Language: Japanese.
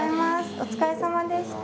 お疲れさまでした。